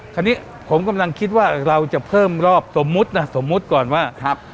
คราวนี้ผมกำลังคิดว่าเราจะเพิ่มรอบสมมุตินะสมมุติก่อนว่าครับ